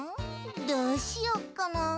どうしよっかな。